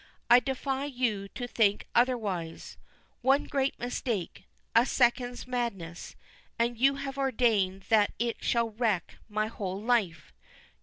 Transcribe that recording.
"I defy you to think otherwise. One great mistake a second's madness and you have ordained that it shall wreck my whole life!